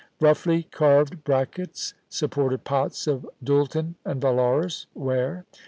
Roughly carved brackets supported pots of Doulton and Vallauris ware.